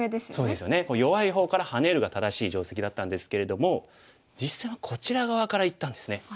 弱い方からハネるが正しい定石だったんですけれども実戦はこちら側からいったんですね。